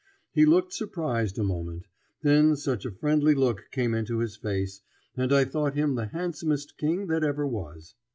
He looked surprised a moment; then such a friendly look came into his face, and I thought him the handsomest King that ever was.